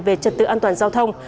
về trật tự an toàn giao thông